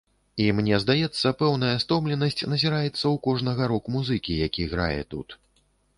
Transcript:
І, мне здаецца, пэўная стомленасць назіраецца ў кожнага рок-музыкі, які грае тут.